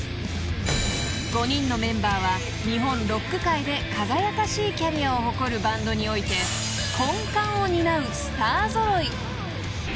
［５人のメンバーは日本ロック界で輝かしいキャリアを誇るバンドにおいて根幹を担うスター揃い］